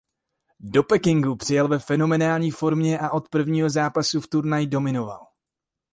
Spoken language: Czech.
Do Pekingu přijel ve fenomenální formě a od prvního zápasu v turnaji dominoval.